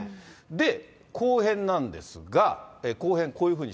で、後編なんですが、後編、こういうふうに。